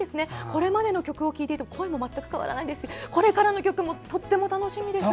これまでの曲を聴いていても声も全く変わらないですしこれからの曲もとても楽しみです。